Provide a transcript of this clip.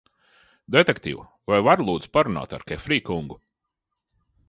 Detektīv, vai varu, lūdzu, parunāt ar Kefrija kungu?